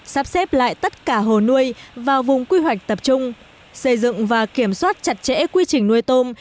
sắp xếp lại tất cả hồ nuôi vào vùng quy hoạch tập trung xây dựng và kiểm soát chặt chẽ quy trình nuôi tôm